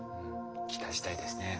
期待したいですね。